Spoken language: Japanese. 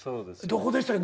どこでしたっけ